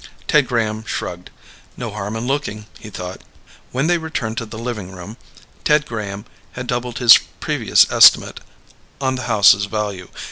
Ted Graham shrugged. No harm in looking, he thought. When they returned to the living room, Ted Graham had doubled his previous estimate on the house's value.